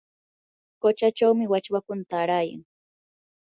quchachawmi wachwakuna taarayan.